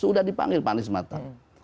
sudah dipanggil pak anies mata